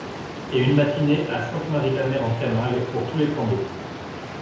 Et une matinée à Saintes-Maries-de-la-Mer en Camargue pour tous les plans d’eau.